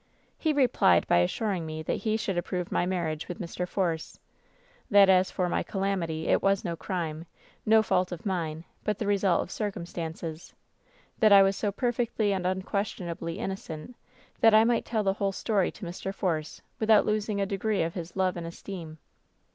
"He replied by assuring me that he should approve my marriage with Mr. Force ; that as for my calamity, it was no crime, no fault of mine, but the result of cir cumstances — ^that I was so perfectly and unquestionably innocent that I might tell the whole story to Mr. Force without losing a degree of his love and esteem.